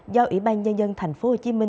do ủy ban nhân dân tp hcm